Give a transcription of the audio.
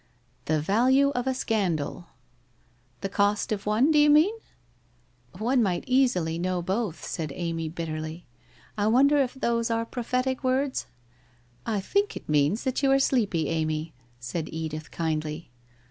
' 'The value of a scandal/ I The cost of one, do you mean ?'* One might easily know both,' said Amy bitterly. ' I wonder if those are prophetic words?' ' I think it means that you are sleepy, Amy/ said Edith kindly.